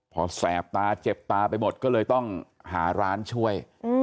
พอแสบตาเจ็บตาไปหมดก็เลยต้องหาร้านช่วย